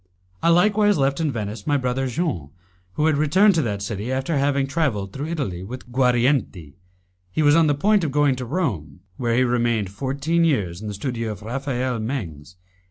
I likewise left in Venice my brother Jean, who had returned to that city after having travelled through Italy with Guarienti. He was on the point of going to Rome, where he remained fourteen years in the studio of Raphael Mengs.